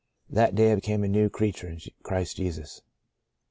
That day I became a new creature in Christ Jesus.